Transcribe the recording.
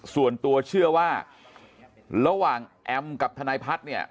ส่วนตัวเชื่อว่าระหว่างแอมกับทนายพัฒน์เนี่ย